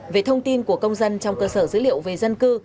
về thông tin của công dân trong cơ sở dữ liệu về dân cư